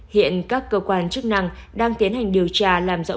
hiện các cơ quan chức năng đang tiến hành điều tra làm rõ